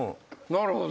なるほど。